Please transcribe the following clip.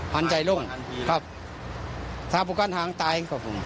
หันใจล่มถ้าพวกกัดหางตาย